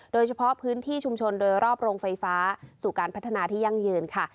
โดยเฉพาะพื้นที่ชุมชนโดยรอบโรงไฟฟ้าสู่การพัฒนาที่ยั่งยืนค่ะ